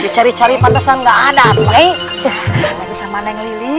cari cari sepatutnya tidak ada